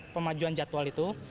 pemanjuan jadwal itu